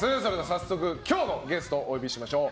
早速今日のゲストをお呼びしましょう。